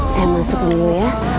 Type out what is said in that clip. saya masuk dulu ya